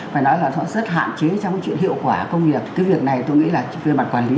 phải nói là họ rất hạn chế trong cái chuyện hiệu quả công việc cái việc này tôi nghĩ là về mặt quản lý